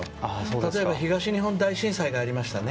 例えば東日本大震災がありました。